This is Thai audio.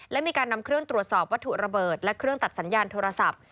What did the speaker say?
และมีการนำเครื่องตรวจสอบวัตถุระเบิดและเครื่องตัดสัญญาณโทรศัพท์